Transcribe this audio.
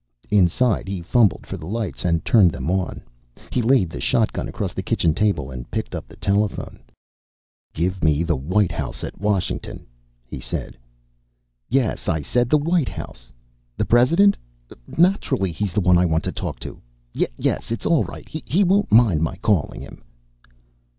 Inside, he fumbled for the lights and turned them on. He laid the shotgun across the kitchen table and picked up the telephone. "Give me the White House at Washington," he said. "Yes, I said the White House.... The President? Naturally he's the one I want to talk to.... Yes, it's all right. He won't mind my calling him."